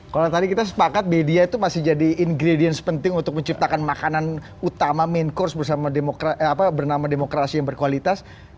kalau tadi kita sepakat media itu masih jadi ingredients penting untuk menciptakan makanan utama main course bersama bernama demokrasi yang berkualitas